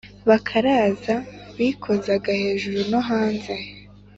bakaraza bikozaga hejuru no hanze